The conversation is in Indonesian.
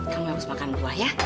kamu harus makan buah ya